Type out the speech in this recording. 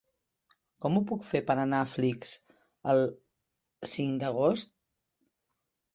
Com ho puc fer per anar a Flix el cinc d'agost?